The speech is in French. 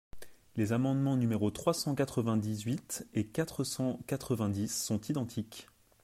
Les amendements numéros trois cent quatre-vingt-dix-huit et quatre cent quatre-vingt-dix sont identiques.